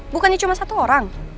bukannya cuma satu orang